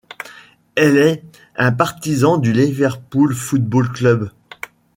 Elle est un partisan du Liverpool Football Club.